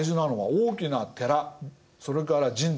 大きな寺それから神社。